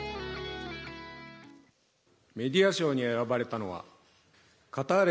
メディア賞に選ばれたのはカターレ